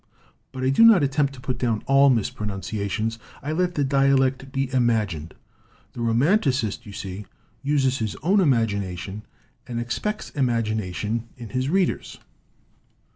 But I do not attempt to put down all mispronunciations; I let the dialect be imagined. "The romanticist, you see, uses his own imagi nation and expects imagination in his readers.